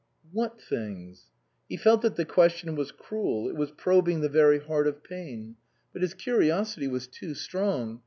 " What things ?" He felt that the question was cruel, it was probing the very heart of pain. But his curiosity was too strong.